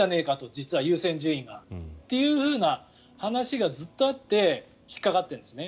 実は優先順位がという話がずっとあって引っかかっているんですね。